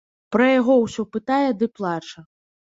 Пра яго ўсё пытае ды плача.